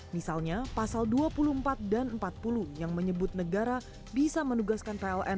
misalnya pasal dua puluh empat dan empat puluh yang menyebut negara bisa menugaskan pln